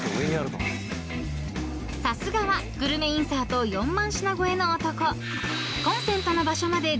［さすがはグルメインサート４万品超えの男］